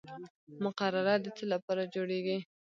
مقرره د څه لپاره جوړیږي؟